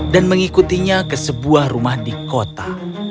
dan mengikutinya ke sebuah rumah di kota